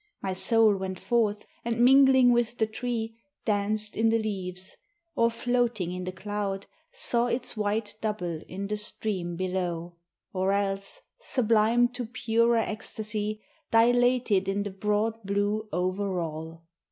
My soul went forth, and, mingling with the tree, Danced in the leaves ; or, floating in the cloud, Saw its white double in the stream below ; Or else, sublimed to purer ecstasy, Dilated in the broad blue over all.